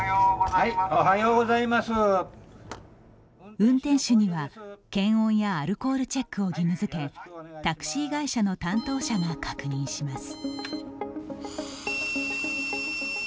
運転手には、検温やアルコールチェックを義務づけタクシー会社の担当者が確認します。